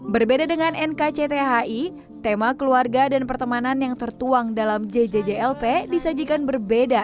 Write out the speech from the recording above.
berbeda dengan nkcthi tema keluarga dan pertemanan yang tertuang dalam jjjlp disajikan berbeda